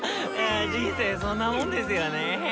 人生そんなもんですよねー！